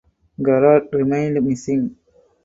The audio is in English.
Garat remained missing.